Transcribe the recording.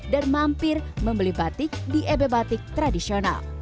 dan mampir membeli batik di ebe batik tradisional